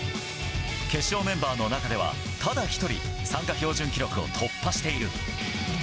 決勝のメンバーの中ではただ１人参加標準記録を突破している。